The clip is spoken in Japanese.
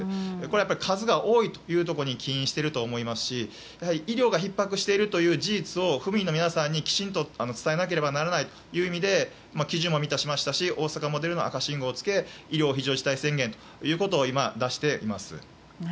やっぱり数が多いというところに起因していると思いますし医療がひっ迫しているという事実を府民の皆さんにきちんと伝えなきゃいけないという意味で基準を満たしましたし大阪モデルの赤信号をつけて医療非常事態宣言ということを今、出しています。